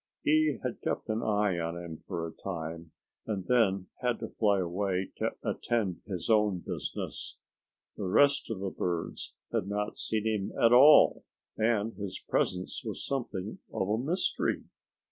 He had kept an eye on him for a time, and then had to fly away to attend to his own business. The rest of the birds had not seen him at all, and his presence was something of a mystery.